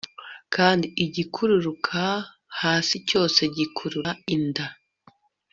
kandi igikururuka hasi cyose gikurura inda